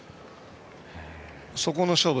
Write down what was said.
そこの勝負